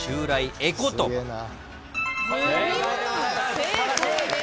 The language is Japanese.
正解です！